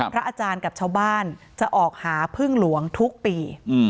พระอาจารย์กับชาวบ้านจะออกหาพึ่งหลวงทุกปี